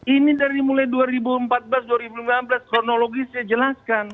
ini dari mulai dua ribu empat belas dua ribu lima belas kronologis saya jelaskan